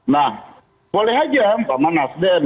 nah boleh aja pak mak nasden